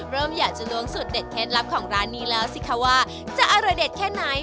เริ่มอยากจะล้วงสูตรเด็ดเคล็ดลับของร้านนี้แล้วสิคะว่าจะอร่อยเด็ดแค่ไหน